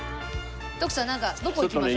徳さんなんかどこ行きましょう？